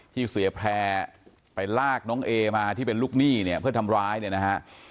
ที่เสียแพร่ไปลากน้องเอมาที่เป็นลูกหนี้เนี่ยเพื่อทำร้ายเนี่ยนะฮะ